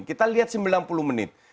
kita lihat sembilan puluh menit